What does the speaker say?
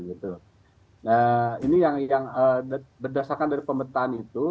nah ini yang berdasarkan dari pemetaan itu